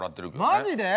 マジで？